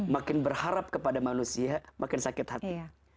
makin berharap kepada manusia makin sakit hati